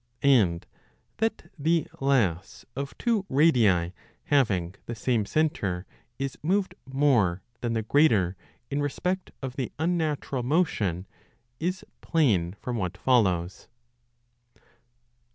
And that the less of two radii having the same centre is moved more than the greater in respect of the unnatural motion is plain from what follows.